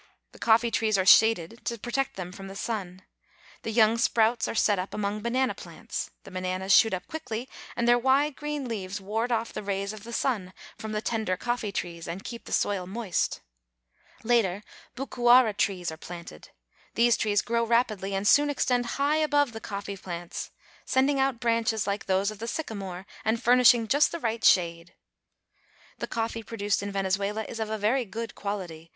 The coffee trees are shaded to protect them from the sun. The young sprouts are set out among banana plants. The bananas shoot up quickly, and their wide green leaves ward off the rays of the sun from the tender coffee trees, and keep the soil moist. Later, bucuara trees are planted. These trees grow rapidly, and soon extend high above the coffee plants, sending out branches like those of the sycamore, and furnishing just the right shade. The coffee produced in Venezuela is of a very good quality.